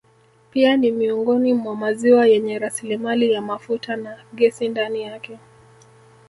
Pia ni miongoni mwa maziwa yenye rasilimali ya mafuta na gesi ndani yake